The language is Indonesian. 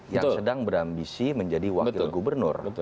yang sedang berambisi menjadi wakil gubernur